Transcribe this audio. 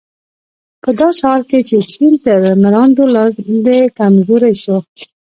په داسې حال کې چې چین تر مراندو لاندې کمزوری شو.